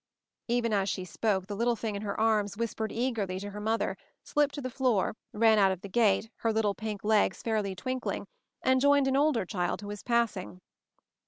Even as she spoke the little thing in her arms whispered eagerly to her mother, slipped to the floor, ran out of the gate, her little pink legs fairly twinkling, and joined an older child who was passing.